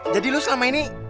jadi lo selama ini